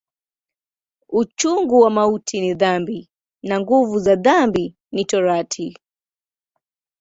Uchungu wa mauti ni dhambi, na nguvu za dhambi ni Torati.